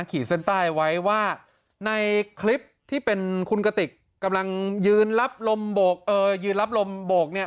ขีดเส้นใต้ไว้ว่าในคลิปที่เป็นคุณกติกกำลังยืนรับลมโบกเออยืนรับลมโบกเนี่ย